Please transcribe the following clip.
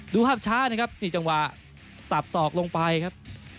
ดูภาพช้านะครับนี่จังหวะสับสอกลงไปครับ